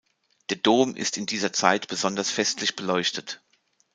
Der Dom ist in dieser Zeit besonders festlich beleuchtet.